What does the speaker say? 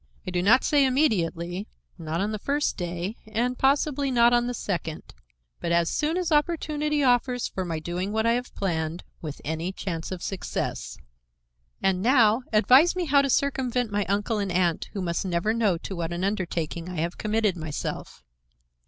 I do not say immediately; not on the first day, and possibly not on the second, but as soon as opportunity offers for my doing what I have planned with any chance of success. And now, advise me how to circumvent my uncle and aunt, who must never know to what an undertaking I have committed myself."